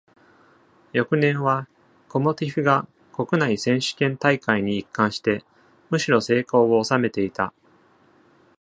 翌年は、コモティフが国内選手権大会に一貫してむしろ成功を収めていた。